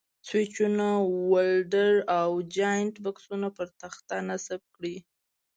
سویچونه، ولډر او جاینټ بکسونه پر تخته نصب کړئ.